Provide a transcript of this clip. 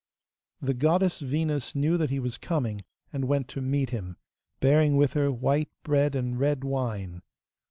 The goddess Venus knew that he was coming, and went to meet him, bearing with her white bread and red wine.